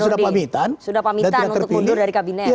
sudah pamitan untuk mundur dari kabinet